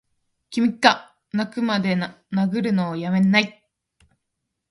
君がッ泣くまで殴るのをやめないッ！